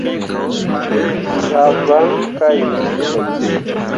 Me zah baŋ kah yĩĩ sulay.